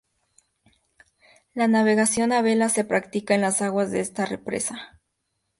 La navegación a vela se practica en las aguas de esta represa.